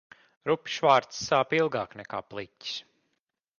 Rupjš vārds sāp ilgāk nekā pliķis.